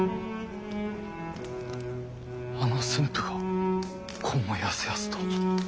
あの駿府がこうもやすやすと。